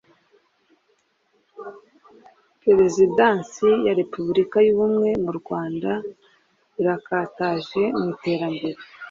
perezidansi ya repubulika y’ubumwe mu rwanda irakataje mu iterambere